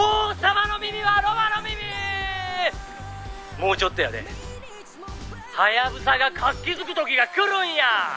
「もうちょっとやで」「ハヤブサが活気づく時がくるんや！」